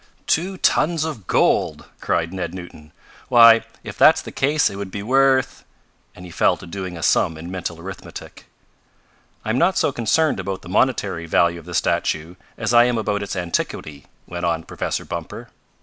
"Two tons of gold!" cried New Newton. "Why, if that's the case it would be worth " and he fell to doing a sum in mental arithmetic. "I am not so concerned about the monetary value of the statue as I am about its antiquity," went on Professor Bumper.